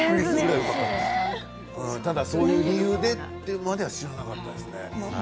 ただそういう理由ということは知らなかったんだけど。